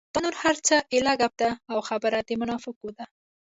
دا نور هر څه ایله ګپ دي او خبره د منافعو ده.